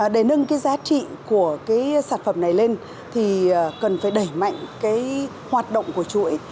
để nâng giá trị của sản phẩm này lên thì cần phải đẩy mạnh hoạt động của chuỗi